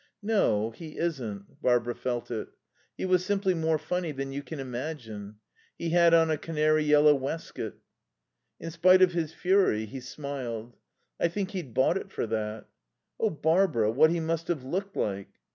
"No. He isn't." (Barbara felt it.) "He was simply more funny than you can imagine.... He had on a canary yellow waistcoat." In spite of his fury he smiled. "I think he'd bought it for that." "Oh, Barbara, what he must have looked like!"